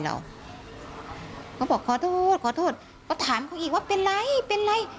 เขาบอกขอโทษขอโทษก็ถามเขาอีกว่าเป็นไรเป็นไร